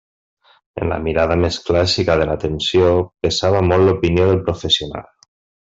En la mirada més clàssica de l'atenció pesava molt l'opinió del professional.